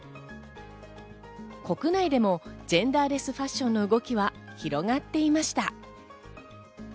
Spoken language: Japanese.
国内でもジェンダーレスファッションの動きは広がっていました。